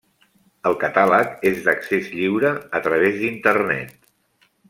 El catàleg és d'accés lliure a través d'internet.